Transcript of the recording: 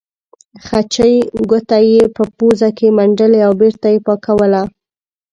خچۍ ګوته یې په پوزه کې منډلې او بېرته یې پاکوله.